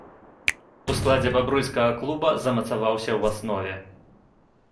У складзе бабруйскага клуба замацаваўся ў аснове.